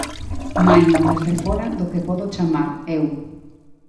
Maino, desde fóra do que podo chamar: eu.